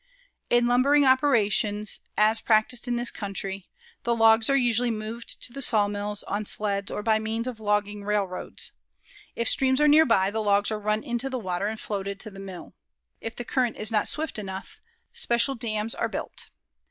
In lumbering operations as practiced in this country, the logs are usually moved to the sawmills on sleds or by means of logging railroads. If streams are near by, the logs are run into the water and floated to the mill. If the current is not swift enough, special dams are built.